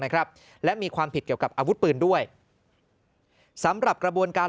นะครับและมีความผิดเกี่ยวกับอาวุธปืนด้วยสำหรับกระบวนการ